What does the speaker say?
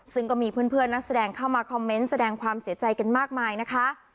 ซึ่งก็มีเพื่อนนักแสดงเข้ามาคอมเมนต์แสดงความเสียใจกันมากมายนะคะ